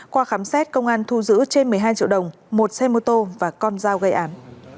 qua khám xét công an thu giữ trên một mươi hai triệu đồng một xe mô tô và con dao gây án